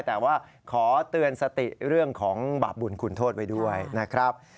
แต่ว่าขอเตือนสติเรื่องของบาปบุญคุณโทษไว้ด้วยนะครับ